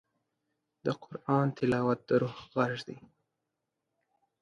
د قرآن تلاوت د روح غږ دی.